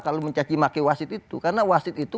kalau mencaki maki wasid itu